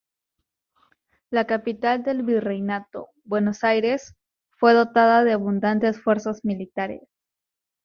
La capital del virreinato, Buenos Aires, fue dotada de abundantes fuerzas militares.